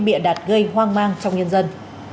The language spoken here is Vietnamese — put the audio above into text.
bịa đặt gây hoang mang trong nhân dân